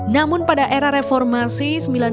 namun pada era reformasi seribu sembilan ratus sembilan puluh